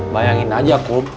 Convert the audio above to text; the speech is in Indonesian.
bayangin aja kum